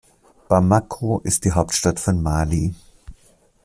Bamako ist die Hauptstadt von Mali.